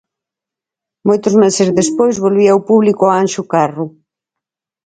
Moitos meses despois volvía o público ao Anxo Carro.